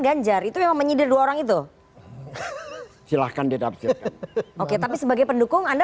ganjar itu yang menyeder dua orang itu silahkan ditampilkan oke tapi sebagai pendukung anda